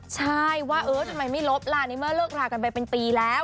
ใช่ว่าเออทำไมไม่ลบล่ะในเมื่อเลิกรากันไปเป็นปีแล้ว